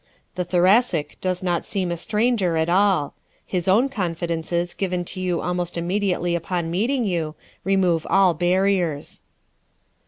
The Thoracic does not seem a stranger at all. His own confidences, given to you almost immediately upon meeting you, remove the barriers.